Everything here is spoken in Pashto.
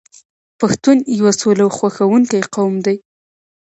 پښتون یو سوله خوښوونکی قوم دی.